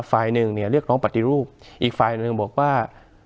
ฟายหนึ่งเรียกร้องปฏิรูปอีกฟายหนึ่งบอกว่า